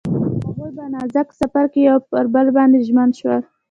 هغوی په نازک سفر کې پر بل باندې ژمن شول.